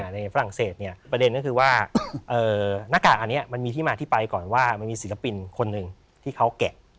ฝรั่งเศสเนี่ยประเด็นก็คือว่าหน้ากากอันนี้มันมีที่มาที่ไปก่อนว่ามันมีศิลปินคนหนึ่งที่เขาแกะ